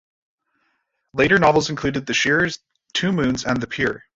Later novels include "The Shearers", "Two Moons" and "The Pier".